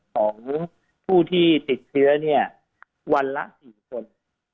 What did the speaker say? ของผู้ที่ติดเชื้อเนี่ยวันละ๔คน